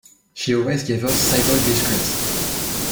She always gave us Savoy biscuits.